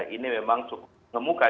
ini memang cukup mengemuka